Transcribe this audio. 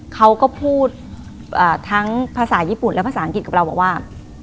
เขาก็พูดทั้งภาษาญี่ปุ่นและภาษาอังกฤษกับเราบอกว่า